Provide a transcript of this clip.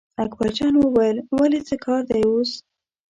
اکبرجان وویل ولې څه کار دی اوس.